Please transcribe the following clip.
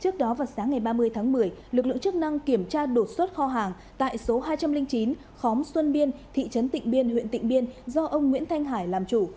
trước đó vào sáng ngày ba mươi tháng một mươi lực lượng chức năng kiểm tra đột xuất kho hàng tại số hai trăm linh chín khóm xuân biên thị trấn tịnh biên huyện tịnh biên do ông nguyễn thanh hải làm chủ